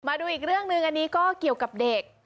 มาดูอีกเรื่องหนึ่งอันนี้ก็เกี่ยวกับเด็ก